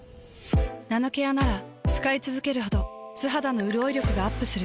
ナノケアなら使いつづけるほど素肌のうるおい力がアップする。